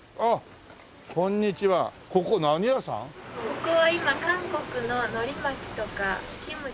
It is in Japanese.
ここは今韓国の海苔巻きとかキムチ。